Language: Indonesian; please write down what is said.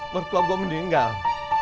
mertua gue meninggal